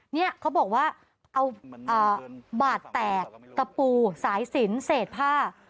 เนี่ยเขาบอกว่าเอาบาดแตกตะปูสายสินเศษผ้า